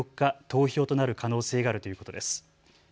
投票となる可能性があるということです。